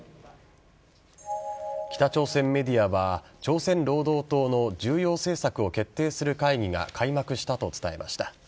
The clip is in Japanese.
北朝鮮メディアは朝鮮労働党の重要政策を決定する会議が開幕したと伝えました。